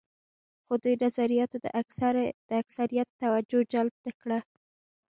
خو د دوی نظریاتو د اکثریت توجه جلب نه کړه.